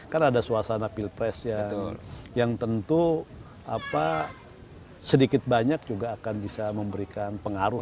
kan ada suasana pilpres yang tentu sedikit banyak juga akan bisa memberikan pengaruh